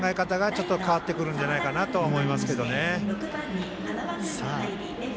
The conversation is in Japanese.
ちょっと変わってくるんじゃないかと思いますけどね。